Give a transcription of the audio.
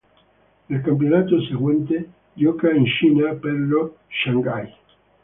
Nel campionato seguente gioca in Cina per lo Shanghai.